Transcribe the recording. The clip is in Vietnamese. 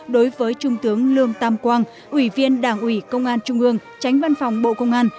đối với trung tướng lương tam quang ủy viên đảng ủy công an trung ương tránh văn phòng bộ công an